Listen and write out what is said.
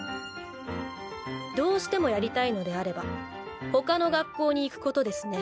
どうしてもやりたいのであれば他の学校に行くことですね。